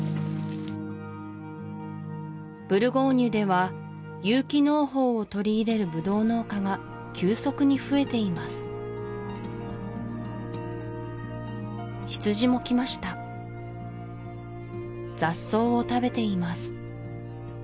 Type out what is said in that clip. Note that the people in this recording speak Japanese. ブルゴーニュでは有機農法を取り入れるブドウ農家が急速に増えています羊も来ました雑草を食べています